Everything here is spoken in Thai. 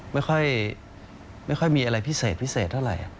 ไม่ค่อยไม่ค่อยมีอะไรพิเศษเท่าไร